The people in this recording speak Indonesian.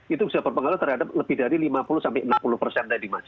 itu bisa berpengaruh terhadap lebih dari lima puluh enam puluh persen tadi mas